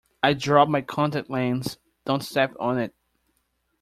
I dropped my contact lens, don't step on it!.